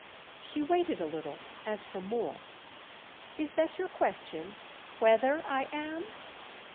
She waited a little as for more. "Is that your question—whether I am?"